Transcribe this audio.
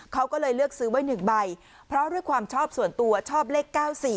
เขาก็เลยเลือกซื้อไว้๑ใบเพราะด้วยความชอบส่วนตัวชอบเลข๙๔